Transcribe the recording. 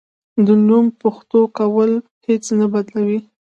د نوم پښتو کول هیڅ نه بدلوي.